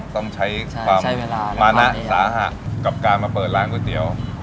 ต้องใช้ความมานะสาหะกับการมาเปิดร้านก๋วยเตี๋ยว